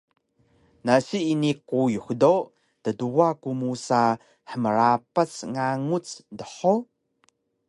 Nasi ini quyux do tduwa ku musa hmrapas nganguc dhug?